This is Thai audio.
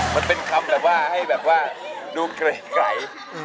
มันเป็นคำแบบว่าให้แบบว่าดูไกล